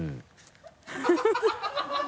フフフ